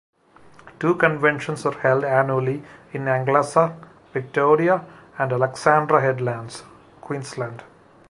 Two conventions are held annually in Anglesea, Victoria and Alexandra Headlands, Queensland.